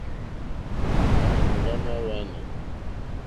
Márzòŋɡá mâ hwánà.